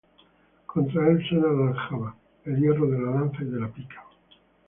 Contra él suena la aljaba, El hierro de la lanza y de la pica: